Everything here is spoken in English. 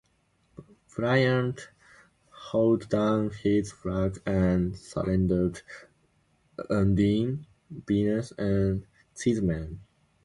Bryant hauled down his flag and surrendered "Undine", "Venus", and "Cheeseman".